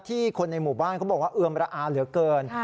คนในหมู่บ้านเขาบอกว่าเอือมระอาเหลือเกิน